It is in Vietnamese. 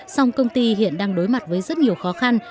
song công ty hiện đang đối mặt với rất nhiều khó khăn